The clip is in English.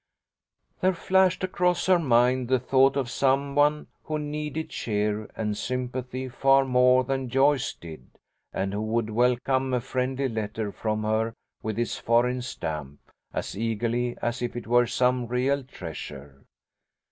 '" There flashed across her mind the thought of some one who needed cheer and sympathy far more than Joyce did, and who would welcome a friendly letter from her with its foreign stamp, as eagerly as if it were some real treasure.